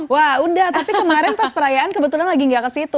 wah udah tapi kemarin pas perayaan kebetulan lagi nggak ke situ